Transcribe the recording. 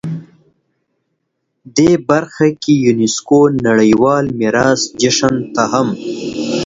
دې برخه کې یونسکو نړیوال میراث جشن ته هم